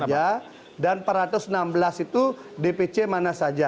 dpd mana saja dan empat ratus enam belas itu dpc mana saja